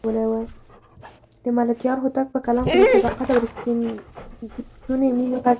د ملکیار هوتک په کلام کې د صداقت او رښتونې مینې غږ دی.